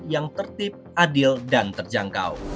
yang tertib adil dan terjangkau